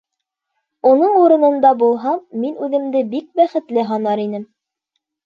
Уның урынында булһам, мин үҙемде бик бәхетле һанар инем.